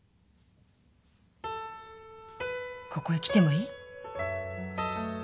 ここへ来てもいい？